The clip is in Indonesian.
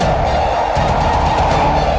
aku akan menikah denganmu